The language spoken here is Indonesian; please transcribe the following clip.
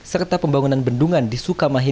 serta pembangunan bendungan di sukamahi